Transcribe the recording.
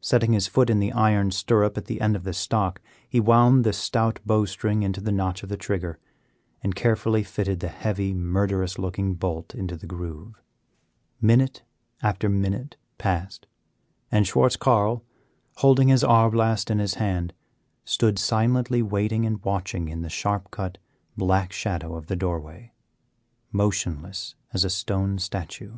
Setting his foot in the iron stirrup at the end of the stock, he wound the stout bow string into the notch of the trigger, and carefully fitted the heavy, murderous looking bolt into the groove. Minute after minute passed, and Schwartz Carl, holding his arbelast in his hand, stood silently waiting and watching in the sharp cut, black shadow of the doorway, motionless as a stone statue.